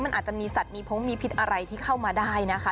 มันอาจจะมีสัตว์มีพงมีพิษอะไรที่เข้ามาได้นะคะ